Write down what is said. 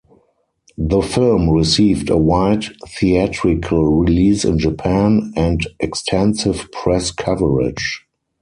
The film received a wide theatrical release in Japan and extensive press coverage.